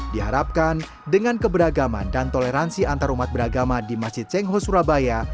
diharapkan dengan keberagaman dan toleransi antarumat beragama di masjid cengho surabaya